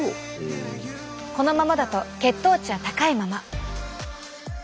このままだと血糖値は高いまま。